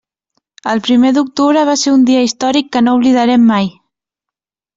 El primer d'octubre va ser un dia històric que no oblidarem mai.